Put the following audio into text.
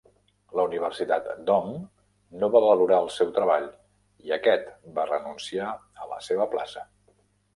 La universitat d'Ohm no va valorar el seu treball i aquest va renunciar a la seva plaça.